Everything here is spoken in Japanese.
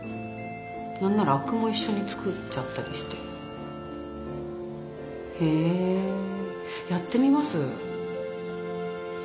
何なら灰汁も一緒に作っちゃったりして。へやってみます。